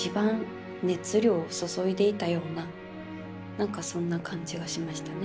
何かそんな感じがしましたね。